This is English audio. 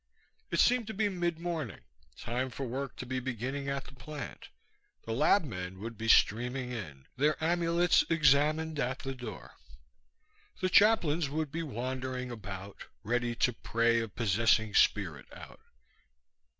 It seemed to be mid morning, time for work to be beginning at the plant. The lab men would be streaming in, their amulets examined at the door. The chaplains would be wandering about, ready to pray a possessing spirit out.